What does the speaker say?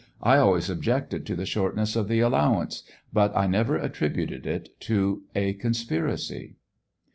I always objected to the shortness of the allowance, but I never attributed it to a conspiracy.